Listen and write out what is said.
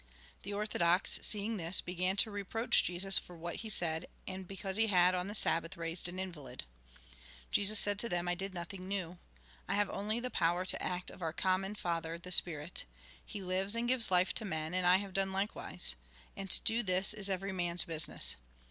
The orthodox, seeing this, began to reproach Jesus for what he said, and because he had, on the Sabbath, raised an invalid. Jesus said to them :" I did nothing new. I have only the power to act of our common Father, the Spirit. He lives, and gives life to men, and I have done likewise. And to do this is every man's business.